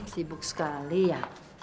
sibuk sekali ya